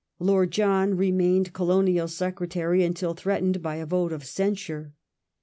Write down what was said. Lord John remained Oolomal* Secretary until threatened by a vote of censure.